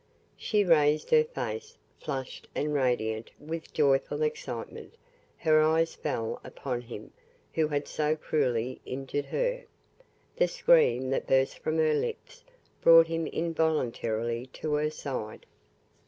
She raised her face, flushed and radiant with joyful excitement her eyes fell upon him who had so cruelly injured her. The scream that burst from her lips brought him involuntarily to her side.